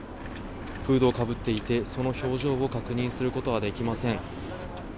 フードをかぶっていて、その表情を確認することはできません。